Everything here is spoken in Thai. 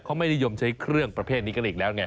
เขาไม่นิยมใช้เครื่องประเภทนี้กันอีกแล้วไง